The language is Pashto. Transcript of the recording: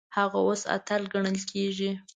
هغه اوس اتل ګڼل کیږي.